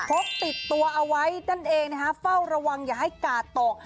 พกติดตัวเอาไว้นั่นเองนะคะเฝ้าระวังอย่าให้กาดตก